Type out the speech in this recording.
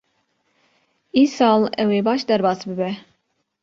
Îsal ew ê baş derbas bibe.